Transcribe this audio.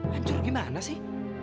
hancur gimana sih